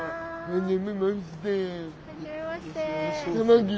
初めまして。